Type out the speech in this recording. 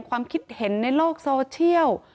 ความคิดเห็นในโลกโซเชียล